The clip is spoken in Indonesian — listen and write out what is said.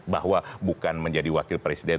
bahwa bukan menjadi wakil presiden